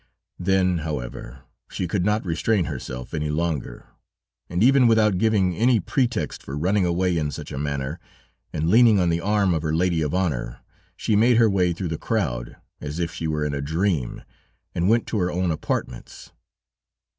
Then, however, she could not restrain herself any longer, and even without giving any pretext for running away in such a manner, and leaning on the arm of her lady of honor, she made her way through the crowd as if she were in a dream and went to her own apartments.